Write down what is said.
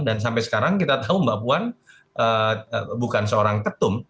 dan sampai sekarang kita tahu mbak puan bukan seorang ketum